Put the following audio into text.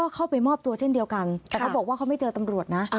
เข้าไปมอบตัวเช่นเดียวกันแต่เขาบอกว่าเขาไม่เจอตำรวจนะ